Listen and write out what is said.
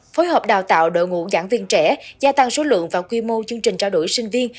phối hợp đào tạo đội ngũ giảng viên trẻ gia tăng số lượng và quy mô chương trình trao đổi sinh viên